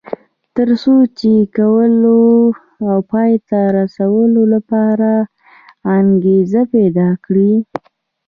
تر څو یې کولو او پای ته رسولو لپاره انګېزه پيدا کړي.